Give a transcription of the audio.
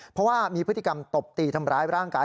เพราะว่ามีพฤติกรรมตบตีทำร้ายร่างกาย